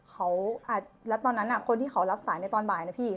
แล้วตอนนั้นคนที่เขารับสายในตอนบ่ายนะพี่